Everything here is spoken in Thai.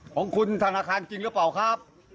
ของคุณธนาคารจริงหรือเปล่าครับ